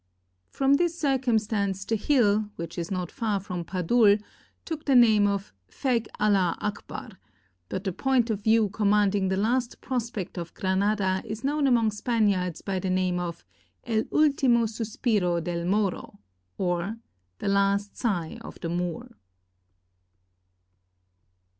From this circumstance, the hill, which is not far from Padul, took the name of "Feg Allah Achbar"; but the point of view commanding the last prospect of Granada is known among Spaniards by the name of "El ultimo suspiro del Moro," or, "The last sigh of the Moor."